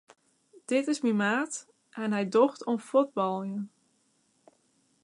Dit is myn maat en hy docht oan fuotbaljen.